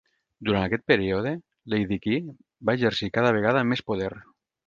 Durant aquest període, Lady Ki va exercir cada vegada més poder.